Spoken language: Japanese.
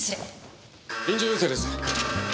臨場要請です。